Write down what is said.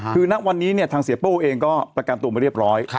คือณวันนี้ทางเสียโป้เองก็ประกันตัวมาเรียบร้อย